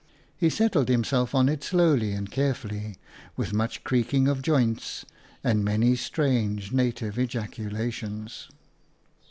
He set tled himself on it slowly and carefully, with much creaking of joints and many strange native ejaculations.